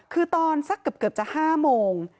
คือตอนสักเกือบจะ๕โมง